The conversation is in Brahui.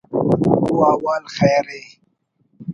ءُ حوال خیر ءِ